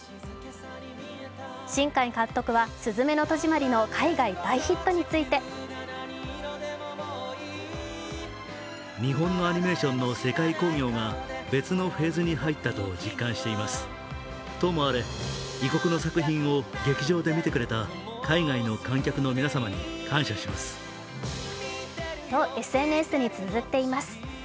新海監督は「すずめの戸締まり」の海外大ヒットについてと、ＳＮＳにつづっています。